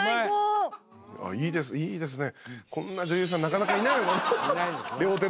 いいですね。